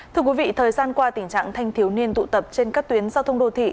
thưa quý vị thời gian qua tình trạng thanh thiếu niên tụ tập trên các tuyến giao thông đô thị